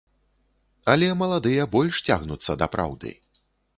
Але маладыя больш цягнуцца да праўды.